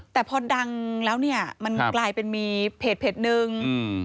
แต่พอดังแล้วเนี้ยครับมันกลายเป็นมีเพจเพจหนึ่งอืม